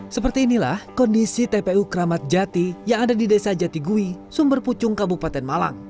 seperti inilah kondisi tpu kramat jati yang ada di desa jatigui sumber pucung kabupaten malang